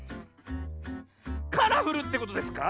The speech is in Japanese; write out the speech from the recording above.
カラフルってことですか？